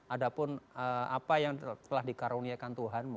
ada pun apa yang telah dikaruniakan tuhan